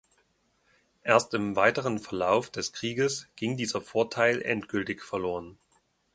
Erst im weiteren Verlauf des Krieges ging dieser Vorteil endgültig verloren.